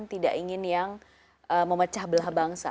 tidak ingin yang memecah belah bangsa